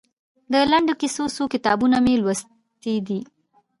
د لنډو کیسو څو کتابونه مو لوستي دي؟